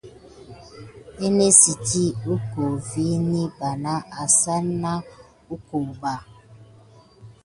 Anesiti goka vikine bana asine na kogan ba.